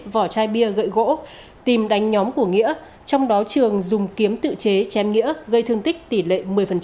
vỏ chai bia gậy gỗ tìm đánh nhóm của nghĩa trong đó trường dùng kiếm tự chế chém nghĩa gây thương tích tỷ lệ một mươi